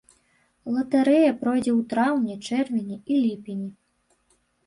Латарэя пройдзе ў траўні, чэрвені і ліпені.